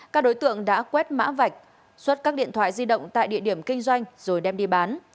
các đối tượng đã quét mã vạch xuất các điện thoại di động tại địa điểm kinh doanh rồi đem đi bán